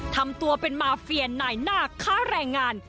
ทำตัวเป็นมาเฟียนายหน้าค้าแรงงาน